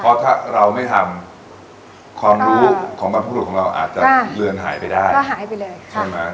เพราะถ้าเราไม่ทำความรู้ของบรรพบุรุษของเราอาจจะเลือนหายไปได้ก็หายไปเลยใช่ไหม